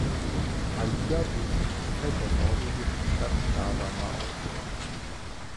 Alida wuchs im Umfeld der norwegischen Stadt Stavanger auf.